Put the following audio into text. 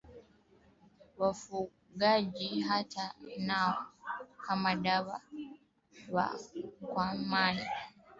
Wafugaji hata nao, kama dawa wakwamini,